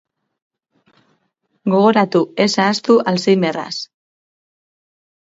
Gogoratu, ez ahaztu alzheimerraz!